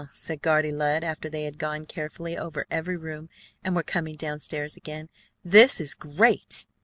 said Guardy Lud after they had gone carefully over every room and were coming down stairs again. "This is great!